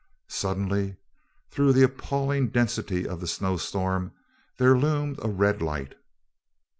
Suddenly, through the appalling density of the snowstorm, there loomed a red light.